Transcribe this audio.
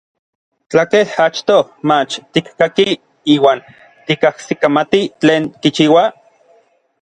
Tlakej achtoj mach tikkakij iuan tikajsikamati tlen kichiua?